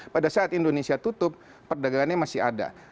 pada saat indonesia tutup perdagangannya masih ada